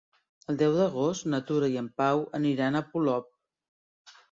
El deu d'agost na Tura i en Pau aniran a Polop.